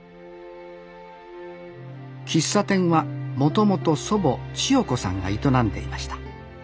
喫茶店はもともと祖母千代子さんが営んでいました。